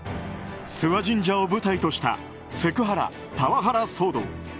諏訪神社を舞台としたセクハラ・パワハラ騒動。